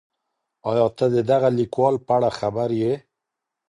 ایا ته د دغه لیکوال په اړه خبر یې؟